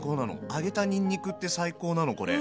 揚げたにんにくって最高なのこれ。